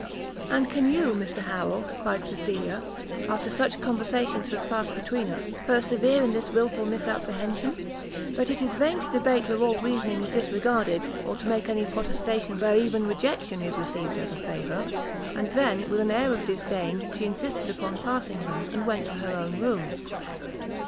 "And can you, Mr Harrel," said Cecilia, "after such conversations as have passed between us, persevere in this wilful misapprehension? But it is vain to debate where all reasoning is disregarded, or to make any protestations where even rejection is received as a favour." And then, with an air of disdain, she insisted upon passing them, and went to her own room.